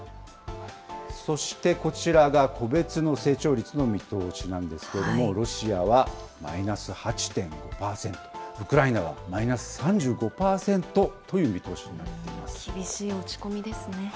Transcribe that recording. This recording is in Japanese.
そして、こちらが個別の成長率の見通しなんですけれども、ロシアはマイナス８．５％、ウクライナはマイナス３５％という見厳しい落ち込みですね。